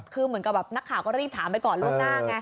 คือเหมือนกับแบบนักข่าวก็รีบถามไปก่อนล่วงหน้าไง